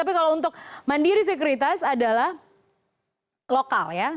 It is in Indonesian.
tapi kalau untuk mandiri sekuritas adalah lokal ya